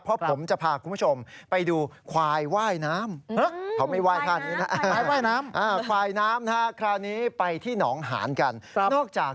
เพราะผมจะพาคุณผู้ชมไปดูควายว่ายน้ำ